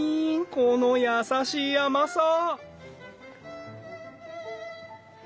この優しい甘さ！